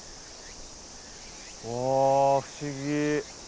わ不思議。